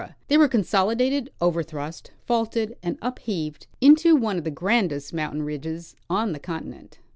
they were consoli dated, overthrust, faulted, and upheaved into one of the grandest mountain ridges on the continent.